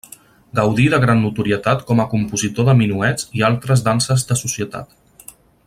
Gaudí de gran notorietat com a compositor de minuets i altres danses de societat.